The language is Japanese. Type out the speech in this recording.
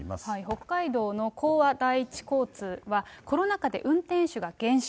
北海道の興亜第一交通はコロナ禍で運転手が減少。